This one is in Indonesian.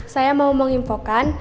saya mau menginfokan